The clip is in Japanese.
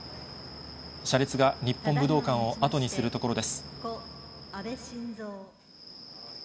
車列が日本武道館を後にするところです。